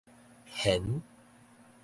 玄